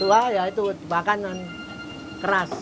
tua ya itu makanan keras